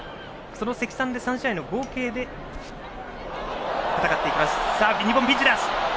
その積算で３試合の合計で戦っていきます。